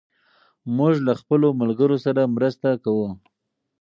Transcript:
موږ له خپلو ملګرو سره مرسته کوو.